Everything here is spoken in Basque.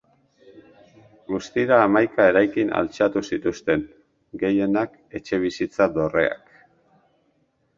Guztira hamaika eraikin altxatu zituzten, gehienak etxebizitza dorreak.